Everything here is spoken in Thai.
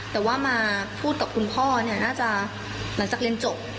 แต่ว่ามาพูดกับคุณพ่อเนี่ยน่าจะหลังจากเรียนจบ